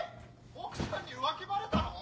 奥さんに浮気バレたの！？